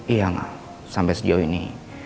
iya enggak sampai sejauh ini